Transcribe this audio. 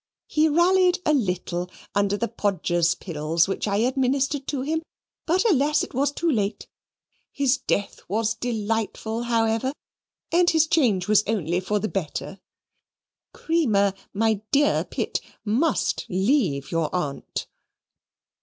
He rallied a little under the Podgers' pills which I administered to him; but alas! it was too late. His death was delightful, however; and his change was only for the better; Creamer, my dear Pitt, must leave your aunt."